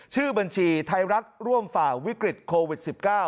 ชื่อบัญชีไทยรัฐร่วมฝ่าวิกฤตโควิด๑๙